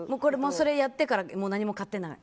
それやってから何も買ってない？